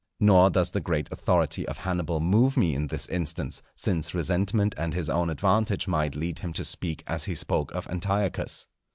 Nor does the great authority of Hannibal move me in this instance, since resentment and his own advantage might lead him to speak as he spoke to Antiochus.